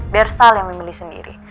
biar sal yang memilih sendiri